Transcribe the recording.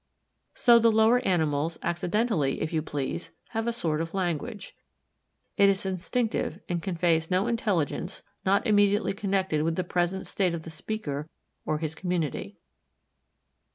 So the lower animals accidentally, if you please, have a sort of language. It is instinctive and conveys no intelligence not immediately connected with the present state of the speaker or his community.